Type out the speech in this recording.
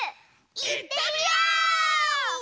いってみよう！